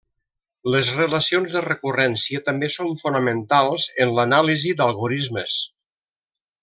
Les relacions de recurrència també són fonamentals en l'anàlisi d'algorismes.